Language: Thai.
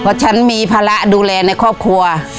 เพราะฉันมีภาระดูแลในครอบครัว